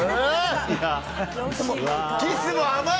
キスも甘い！